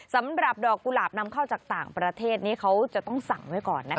สำหรับดอกกุหลาบนำเข้าจากต่างประเทศนี้เขาจะต้องสั่งไว้ก่อนนะคะ